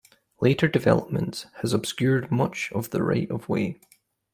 Later development has obscured much of the right of way.